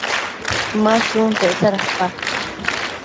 Ma shunta icsa dapa?